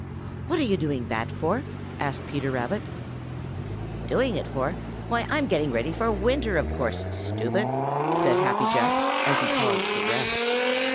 "What are you doing that for?" asked Peter Rabbit. "Doing it for? Why, I'm getting ready for winter, of course, stupid!" said Happy Jack, as he paused for breath.